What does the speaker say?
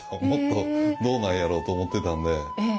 もっとどうなんやろと思ってたんで。